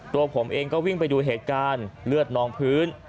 ตัวผมเองก็วิ่งไปดูเหตุการณ์เลือดนองพื้น